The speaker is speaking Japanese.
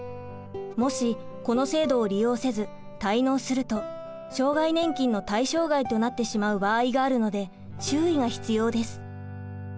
もしこの制度を利用せず滞納すると障害年金の対象外となってしまう場合があるので注意が必要です。